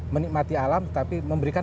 menikmati alam tapi memberikan